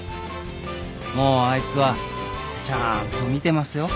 もうあいつはちゃんと見てますよ。